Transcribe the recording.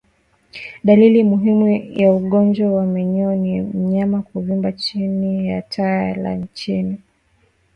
Dalili muhimu ya ugonjwa wa minyoo ni mnyama kuvimba chini ya taya la chini